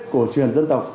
của truyền dân tộc